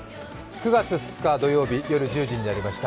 ９月２日土曜日夜１０時になりました。